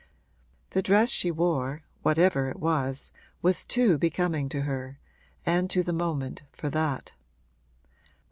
The dress she wore whatever it was was too becoming to her, and to the moment, for that.